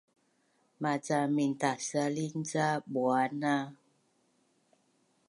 Maca mintasalin ca buana